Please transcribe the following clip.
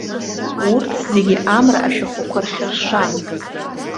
Урҭ зегьы амра ашәахәақәа рхьыршан.